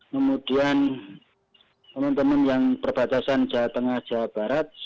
kemudian teman teman yang perbatasan jawa tengah jawa barat